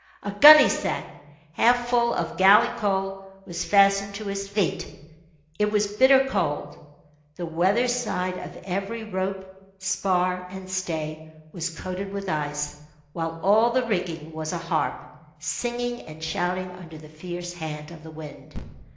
A gunnysack, half full of galley coal, was fastened to his feet. It was bitter cold. The weather side of every rope, spar, and stay was coated with ice, while all the rigging was a harp, singing and shouting under the fierce hand of the wind.